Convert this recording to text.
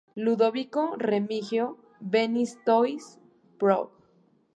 Ludovico Remigio Benoist, Pbro.